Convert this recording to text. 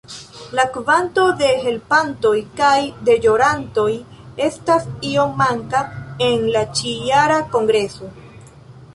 La kvanto de helpantoj kaj deĵorantoj estas iom manka en la ĉi-jara kongreso.